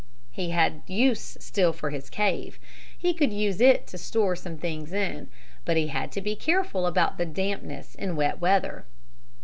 He had use still for his cave. He could use it to store some things in. But he had to be careful about the dampness in wet weather.